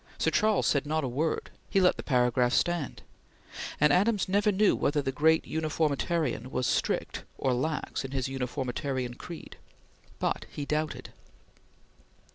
Sir Charles said not a word; he let the paragraph stand; and Adams never knew whether the great Uniformitarian was strict or lax in his uniformitarian creed; but he doubted.